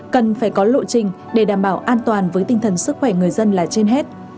cần phải có lộ trình để đảm bảo an toàn với tinh thần sức khỏe người dân là trên hết